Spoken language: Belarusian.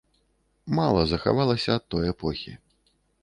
Мала захавалася ад той эпохі.